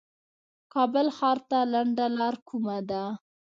کابل ښار ته لنډه لار کومه ده